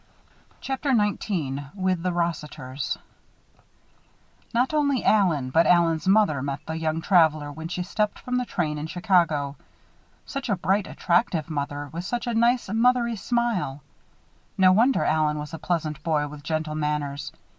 CHAPTER XIX WITH THE ROSSITERS Not only Allen, but Allen's mother met the young traveler when she stepped from the train in Chicago. Such a bright, attractive mother, with such a nice, mother y smile. No wonder Allen was a pleasant boy with gentle manners.